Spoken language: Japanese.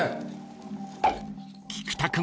［菊田君